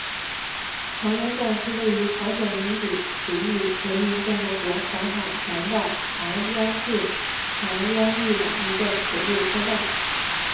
长渊站是位于朝鲜民主主义人民共和国黄海南道长渊郡长渊邑的一个铁路车站。